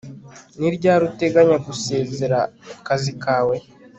Ni ryari uteganya gusezera ku kazi kawe